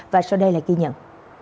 và sau đây là ghi nhận